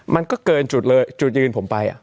มันก็เกินจุดยืนผมไป